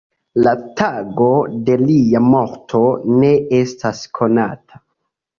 La tago de lia morto ne estas konata.